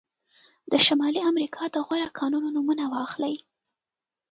د شمالي امریکا د غوره کانونه نومونه واخلئ.